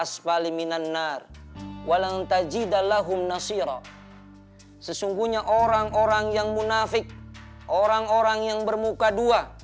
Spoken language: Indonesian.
sesungguhnya orang orang yang munafik orang orang yang bermuka dua